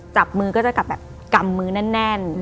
จับมือก็จะกลับแบบกำมือแน่น